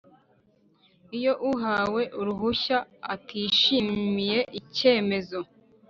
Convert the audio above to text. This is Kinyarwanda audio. Iyo uwahawe uruhushya atishimiye icyemezo